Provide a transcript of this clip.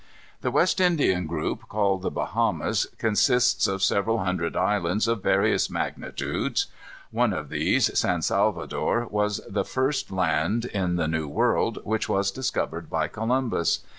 The West Indian group, called the Bahamas, consists of several hundred islands of various magnitudes. One of these, San Salvador, was the first land, in the New World, which was discovered by Columbus.